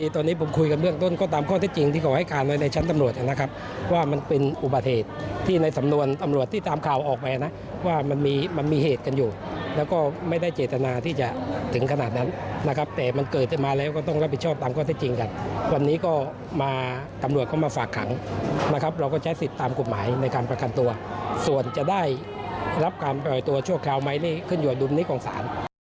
ส่วนจะได้รับการระบายตัวช่วงแคลวใช่ไหมได้ขึ้นอยู่ในนี้กองศาล